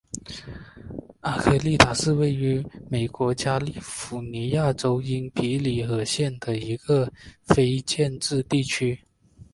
阿科利塔是位于美国加利福尼亚州因皮里尔县的一个非建制地区。